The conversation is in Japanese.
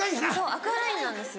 アクアラインなんですよ。